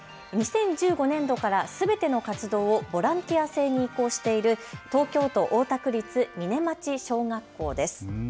２０１５年度からすべての活動をボランティア制に移行している東京都大田区立嶺町小学校です。